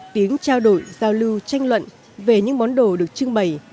tiếng trao đổi giao lưu tranh luận về những món đồ được trưng bày